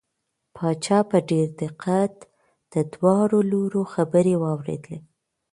پاچا په ډېر دقت د دواړو لوریو خبرې واورېدې.